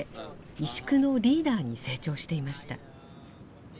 石工のリーダーに成長していました。